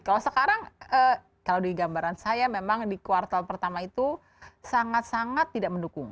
kalau sekarang kalau di gambaran saya memang di kuartal pertama itu sangat sangat tidak mendukung